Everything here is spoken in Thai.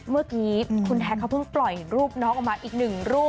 เมื่อกี้คุณแท็กเขาเพิ่งปล่อยรูปน้องออกมาอีกหนึ่งรูป